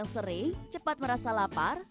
sering cepat merasa lapar